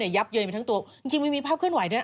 ยับเยินไปทั้งตัวจริงมันมีภาพเคลื่อนไหวด้วย